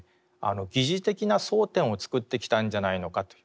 疑似的な争点を作ってきたんじゃないのかという。